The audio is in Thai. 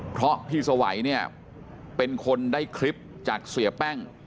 เพราะพี่สวัยเนี่ยเป็นคนได้คลิปจากเสียแป้ง